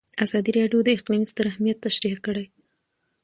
ازادي راډیو د اقلیم ستر اهميت تشریح کړی.